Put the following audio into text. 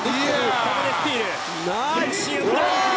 ここでスチール。